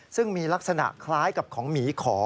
ซึ่งมีลักษณะคล้ายกับของหมีขอ